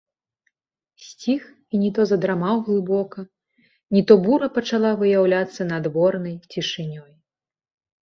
Сціх і ні то задрамаў глыбока, ні то бура пачала выяўляцца надворнай цішынёй.